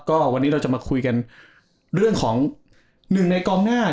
ก็วันนี้เราจะมาคุยกันเรื่องของหนึ่งในกองหน้า